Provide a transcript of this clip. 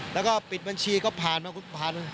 แล้วก็ปิดบัญชีก็ผ่านมาผ่าน